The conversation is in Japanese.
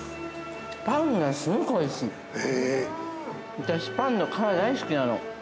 私、パンのカリ、大好きなの。